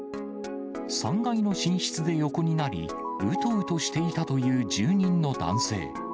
３階の寝室で横になり、うとうとしていたという住人の男性。